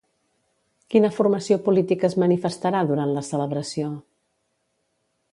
Quina formació política es manifestarà durant la celebració?